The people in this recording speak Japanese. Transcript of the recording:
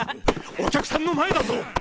お客さんの前だぞ。